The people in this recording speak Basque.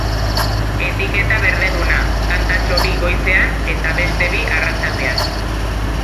Etiketa berdeduna, tantatxo bi goizean eta beste bi arratsaldean.